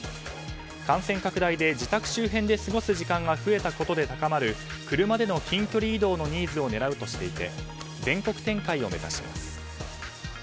感染拡大で自宅周辺で過ごす時間が増えたことで高まる車での近距離移動のニーズを狙うとしていて全国展開を目指します。